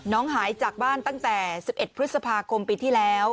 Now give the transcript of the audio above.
หายจากบ้านตั้งแต่๑๑พฤษภาคมปีที่แล้ว